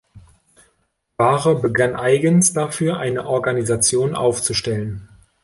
Ware begann eigens dafür eine Organisation aufzustellen.